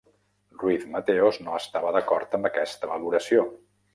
Ruiz Mateos no estava d'acord amb aquesta valoració.